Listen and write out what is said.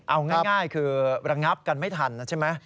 เอาง่ายคือระงับกันไม่ทันใช่ไหม